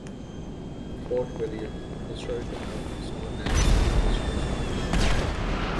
Fort William Historical Park is known as a living history site.